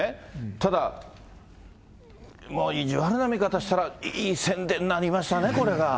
ただ、いやみな見方をしたら、いい宣伝になりましたね、これが。